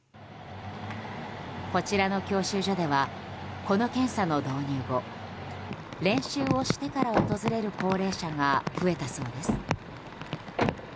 こちらの教習所ではこの検査の導入後練習をしてから訪れる高齢者が増えたそうです。